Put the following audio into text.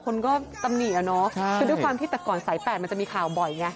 คนก็ตำหนิอ่ะเนอะคือด้วยความที่แต่ก่อนสายแปดมันจะมีข่าวบ่อยไง